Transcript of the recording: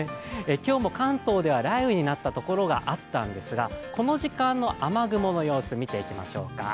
今日も関東では雷雨になったところがあったんですが、この時間の雨雲の様子を見ていきましょうか。